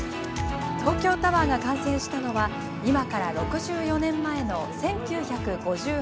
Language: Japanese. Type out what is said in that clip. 東京タワーが完成したのは今から６４年前の１９５８年。